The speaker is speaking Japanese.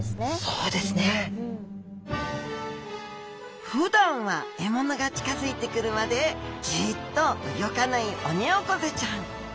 そうですね。ふだんは獲物が近づいてくるまでじっと動かないオニオコゼちゃん。